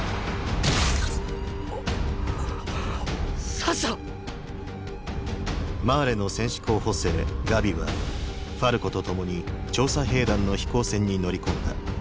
サシャ⁉マーレの戦士候補生ガビはファルコとともに調査兵団の飛行船に乗り込んだ。